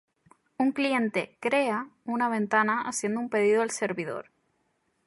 Un cliente "crea" una ventana haciendo un pedido al servidor.